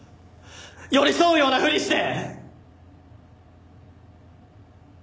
寄り添うようなふりして！